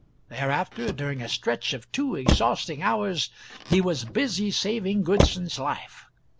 Thereafter, during a stretch of two exhausting hours, he was busy saving Goodson's life.